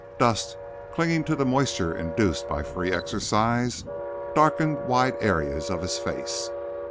Dust, clinging to the moisture induced by free exercise, darkened wide areas of his face.